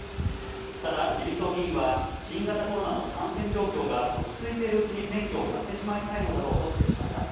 ただ、ある自民党議員は、新型コロナの感染状況が落ち着いているうちに選挙をやってしまいたいのだろうと指摘しました。